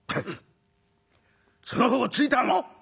「その歩を突いたの？